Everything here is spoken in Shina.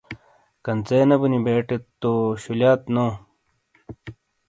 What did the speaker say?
کنژے نے بونی بیٹت تو شولایات نو